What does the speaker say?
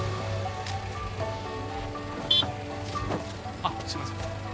あっすいません。